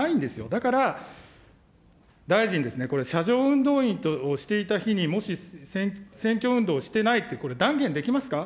だから、大臣ですね、これ、車上運動員としていた日にもし選挙運動をしてないって、これ、断言できますか。